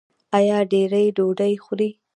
ایا ډیرې ډوډۍ خورئ؟